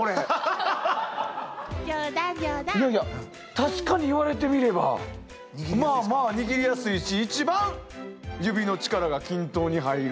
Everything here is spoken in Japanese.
確かに言われてみればまあまあ握りやすいし一番指の力が均等に入る。